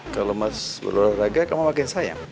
kalau mas berolahraga kamu makin sayang